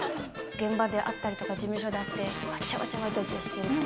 現場であったりとか事務所で会った、わちゃわちゃわちゃわちゃしてる。